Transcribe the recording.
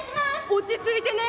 落ち着いてね。